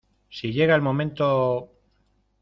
si llega el momento...